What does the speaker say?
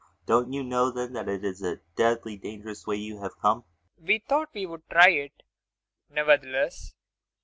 ULFHEIM. Don't you know, then, that it is a deadly dangerous way you have come? PROFESSOR RUBEK. We thought we would try it, nevertheless.